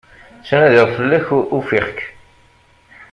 Ttnadiɣ fell-ak, ufiɣ-k.